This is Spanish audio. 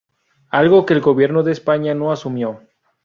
Algo que el Gobierno de España no asumió.